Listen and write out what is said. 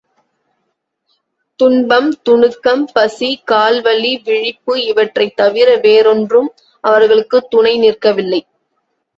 துன்பம், துணுக்கம், பசி, கால்வலி, விழிப்பு இவற்றைத் தவிர வேறொன்றும் அவர்களுக்குத் துணை நிற்கவில்லை.